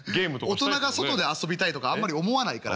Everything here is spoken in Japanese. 大人が外で遊びたいとかあんまり思わないから。